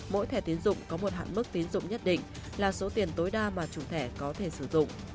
mỗi thẻ tiến dụng có một hạn mức tiến dụng nhất định là số tiền tối đa mà chủ thẻ có thể sử dụng